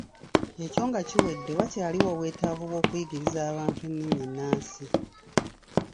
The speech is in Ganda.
Ekyo nga kiwedde, wakyaliwo obwetaavu bw'okuyigiriza abantu ennimi ennansi.